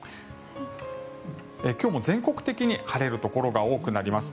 今日も全国的に晴れるところが多くなります。